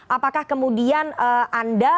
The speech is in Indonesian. apakah kemudian anda